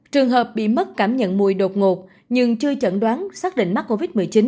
trường hợp bị mất cảm nhận mùi đột ngột nhưng chưa chẩn đoán xác định mắc covid một mươi chín